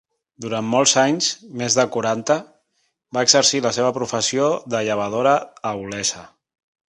Durant molts anys, més de quaranta, va exercir la seva professió de llevadora a Olesa.